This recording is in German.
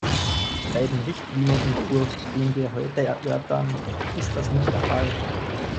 Bei dem Richtlinienentwurf, den wir heute erörtern, ist das nicht der Fall.